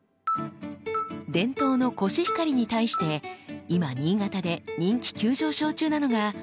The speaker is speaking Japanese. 伝統のコシヒカリに対して今新潟で人気急上昇中なのが新之助です。